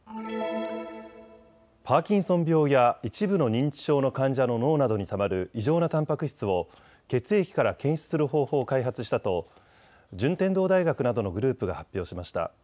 パーキンソン病や一部の認知症の患者の脳などにたまる異常なたんぱく質を血液から検出する方法を開発したと順天堂大学などのグループが発表しました。